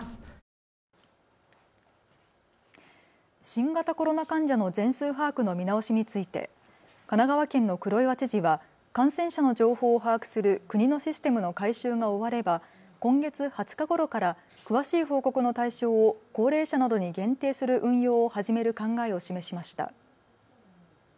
新型コロナ患者の全数把握の見直しについて神奈川県の黒岩知事は感染者の情報を把握する国のシステムの改修が終われば今月２０日ごろから詳しい報告の対象を高齢者などに限定する運用を始める考えを示しました。